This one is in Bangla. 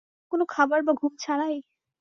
কোনো খাবার বা ঘুম ছাড়াই?